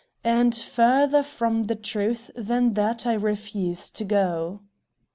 And further from the truth than that I refuse to go."